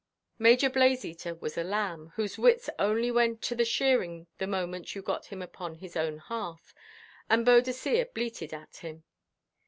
Major Blazeater was a lamb, whose wits only went to the shearing the moment you got him upon his own hearth, and Boadicea bleated at him.